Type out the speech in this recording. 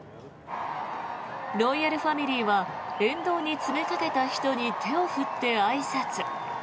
ロイヤルファミリーは沿道に詰めかけた人に手を振ってあいさつ。